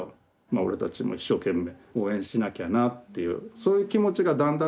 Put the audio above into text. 俺たちも一生懸命応援しなきゃなっていうそういう気持ちがだんだん